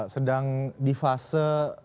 sedang di fase